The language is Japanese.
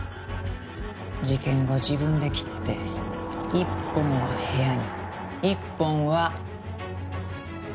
事件後自分で切って一本は部屋に一本は。